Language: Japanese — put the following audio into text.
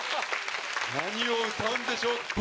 何を歌うんでしょう？